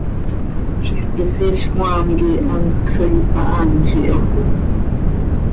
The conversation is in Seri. Zixquisiil cmaam quih hant csooi ipahanl iho.